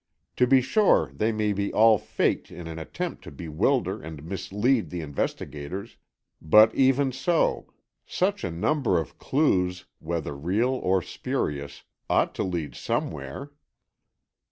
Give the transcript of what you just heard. To be sure they may be all faked in an attempt to bewilder and mislead the investigators, but even so, such a number of clues, whether real or spurious, ought to lead somewhere."